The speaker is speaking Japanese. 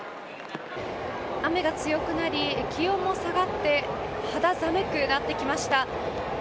雨が強くなり、気温も下がって肌寒くなってきました。